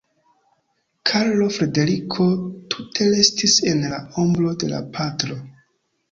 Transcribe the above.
Karlo Frederiko tute restis en la ombro de la patro.